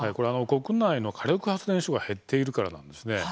国内の火力発電所が減っているからなんです。